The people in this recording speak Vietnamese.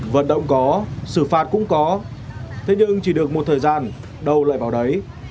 vận động có xử phạt cũng có thế nhưng chỉ được một thời gian đâu lại vào đấy